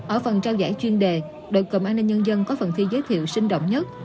ở phần trao giải chuyên đề đội cầm an ninh nhân dân có phần thi giới thiệu sinh động nhất